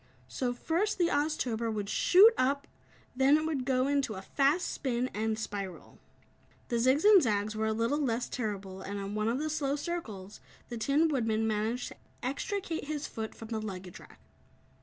So first, the Oztober would shoot up, then it would go into a fast spin, and spiral. The zigs and zags were a little less terrible, and on one of the slow circles, the Tin Woodman managed to extricate his foot from the luggage rack.